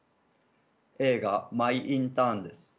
映画「マイ・インターン」です。